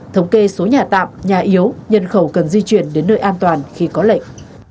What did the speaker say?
thống kê số nhà tạm nhà yếu nhân khẩu cần di chuyển đến nơi an toàn khi có lệnh